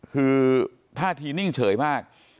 คือท่าทีนิ่งเฉยมาก